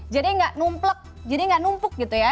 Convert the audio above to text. jadi nggak numpluk jadi nggak numpuk gitu ya